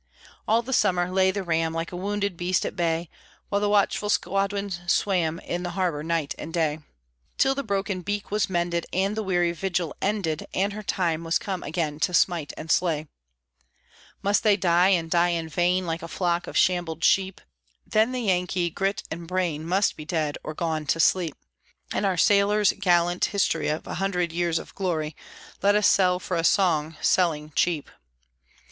All the summer lay the ram, Like a wounded beast at bay, While the watchful squadron swam In the harbor night and day, Till the broken beak was mended, and the weary vigil ended, And her time was come again to smite and slay. Must they die, and die in vain, Like a flock of shambled sheep? Then the Yankee grit and brain Must be dead or gone to sleep, And our sailors' gallant story of a hundred years of glory Let us sell for a song, selling cheap!